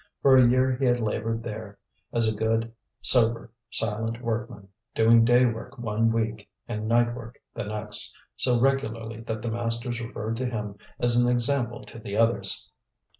For a year he had laboured there as a good, sober, silent workman, doing day work one week and night work the next week, so regularly that the masters referred to him as an example to the others.